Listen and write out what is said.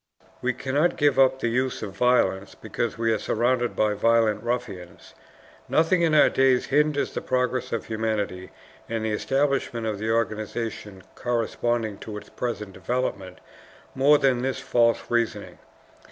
"We cannot give up the use of violence, because we are surrounded by violent ruffians." Nothing in our days hinders the progress of humanity and the establishment of the organization corresponding to its present development more than this false reasoning.